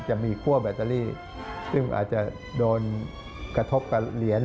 จะมีคั่วแบตเตอรี่ซึ่งอาจจะโดนกระทบกับเหรียญ